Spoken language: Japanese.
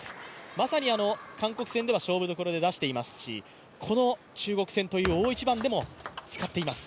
まさに韓国戦では勝負どころで出していますし、この中国戦という大一番でも使っています。